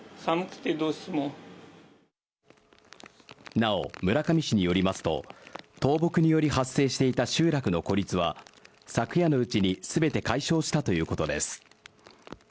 なお、村上市によりますと、倒木により発生していた集落の孤立は昨夜のうちに全て解消したということです。